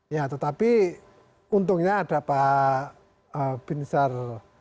ya tetapi untungnya ada pak bin sar